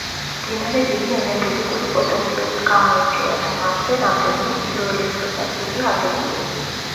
მდინარე დიდი ენერგეტიკული პოტენციალით გამოირჩევა და მასზე რამდენიმე ჰიდროელექტროსადგურია აგებული.